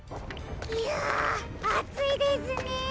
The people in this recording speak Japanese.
ひゃあついですね。